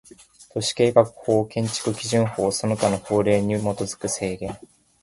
都市計画法、建築基準法その他の法令に基づく制限